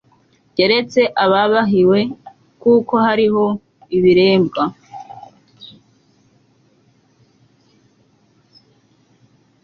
keretse ababihawe. kuko hariho ibiremba